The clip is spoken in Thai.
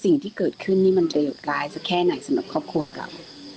สิ่งที่เกิดขึ้นนี่มันจะหยดร้ายสักแค่ไหนสำหรับครอบครัวเก่า